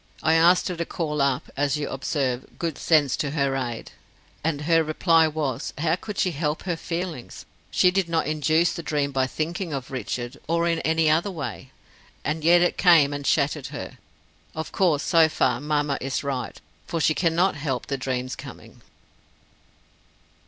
I asked her to call up as you observe good sense to her aid. And her reply was, 'How could she help her feelings? She did not induce the dream by thinking of Richard, or in any other way, and yet it came and shattered her.' Of course so far, mamma is right, for she cannot help the dreams coming."